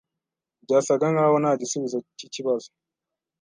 Byasaga nkaho nta gisubizo cyikibazo.